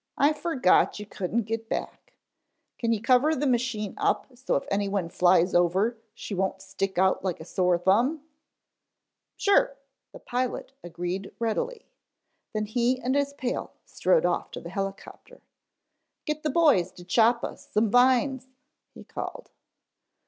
"I fergot you couldn't get back. Can you cover the machine up so if any one flies over she wouldn't stick out like a sore thumb?" "Sure," the pilot agreed readily, then he and his pal strode off to the helicopter. "Get the boys to chop us some vines," he called.